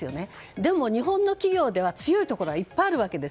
でも日本の企業では強いところがいっぱいあるわけです。